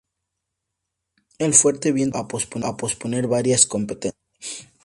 El fuerte viento obligó a posponer varias competencias.